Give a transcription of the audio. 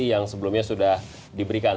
yang sebelumnya sudah diberikan